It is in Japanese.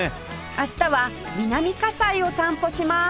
明日は南西を散歩します